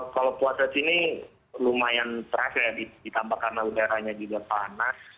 kalau puasa di sini lumayan terasa ya ditambah karena udaranya juga panas